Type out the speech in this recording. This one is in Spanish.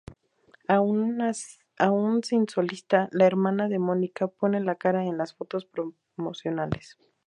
Aún sin solista, la hermana de Mónica pone la cara en las fotos promocionales.